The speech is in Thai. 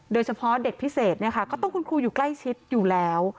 โดยเฉพาะเด็กพิเศษเนี่ยค่ะก็ต้องคุณครูอยู่ใกล้ชิดอยู่แล้ว